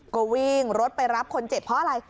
ก็วิ่งรถไปรับคนเจ็บเพราะอะไร